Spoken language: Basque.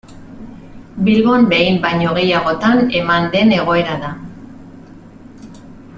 Bilbon behin baino gehiagotan eman den egoera da.